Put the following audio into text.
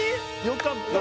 よかった。